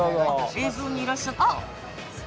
映像にいらっしゃった？